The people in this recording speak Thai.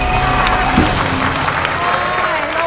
ใช้ใช้ใช้